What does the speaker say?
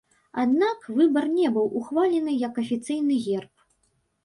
Аднак, выбар не быў ухвалены як афіцыйны герб.